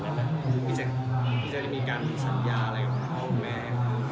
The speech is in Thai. พี่จะได้มีการสัญญาอะไรกับพ่อและแม่